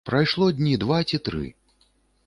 Прайшло дні два ці тры.